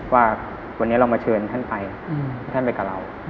ว่าวันนี้เรามาเชิญท่านไปท่านไปกับเรา